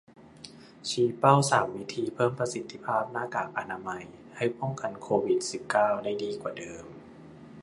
ชี้เป้า สาม วิธีเพิ่มประสิทธิภาพหน้ากากอนามัย ให้ป้องกันโควิด สิบเก้า ได้ดีกว่าเดิม